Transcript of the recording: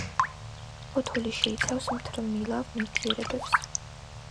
ფოთოლი შეიცავს მთრიმლავ ნივთიერებებს.